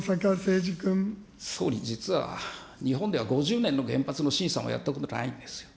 総理、実は、日本では５０年の原発の審査もやったことないんですよ。